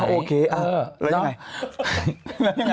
โอเคเอาไหน